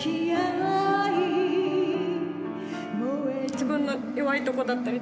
自分の弱いとこだったり